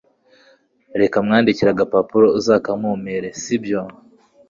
reka mwandikire agapapuro uzakamumpere sibyo!